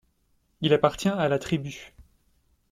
Il appartient à la tribu.